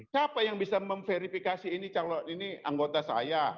siapa yang bisa memverifikasi ini calon ini anggota saya